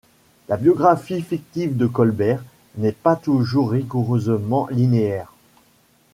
La biographie fictive de Colbert n'est pas toujours rigoureusement linéaire.